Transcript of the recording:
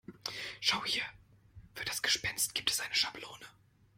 Schau hier, für das Gespenst gibt es eine Schablone.